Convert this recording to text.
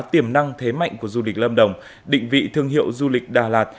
tiềm năng thế mạnh của du lịch lâm đồng định vị thương hiệu du lịch đà lạt